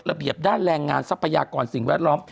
ระเบียบด้านแรงงานทรัพยากรสินแวดล้อม